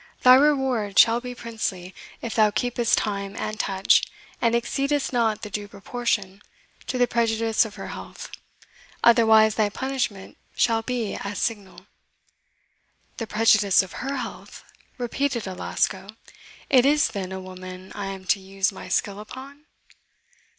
"Thy reward shall be princely, if thou keepest time and touch, and exceedest not the due proportion, to the prejudice of her health; otherwise thy punishment shall be as signal." "The prejudice of HER health!" repeated Alasco; "it is, then, a woman I am to use my skill upon?"